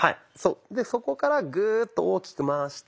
でそこからグーッと大きく回して。